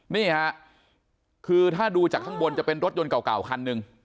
นี่ค่ะคือถ้าดูจากข้างบนจะเป็นรถยนต์เก่าคันหนึ่ง